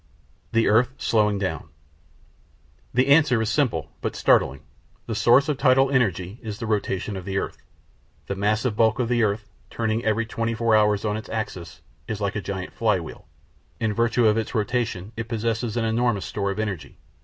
The Earth Slowing down The answer is simple, but startling. The source of tidal energy is the rotation of the earth. The massive bulk of the earth, turning every twenty four hours on its axis, is like a gigantic flywheel. In virtue of its rotation it possesses an enormous store of energy.